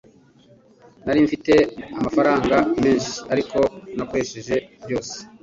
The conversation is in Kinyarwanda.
Nari mfite amafaranga menshi, ariko nakoresheje byose.